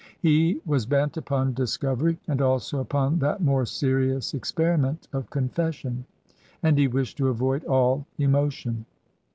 He was bent upon discovery and also upon that more serious experiment of confes sion ; and he wished to avoid all emotion.